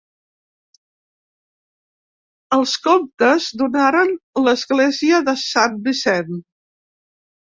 Els comtes donaren l'Església de Sant Vicent.